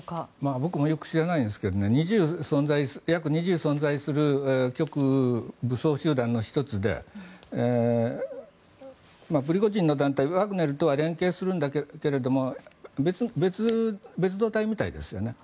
僕もよく知らないんですけど約２０存在する極右武装集団の１つでプリゴジンの団体ワグネルとは連携するんだけども別動隊みたいですね。